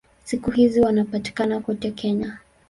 Siku hizi wanapatikana kote Kenya.